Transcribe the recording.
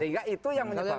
sehingga itu yang menyebabkan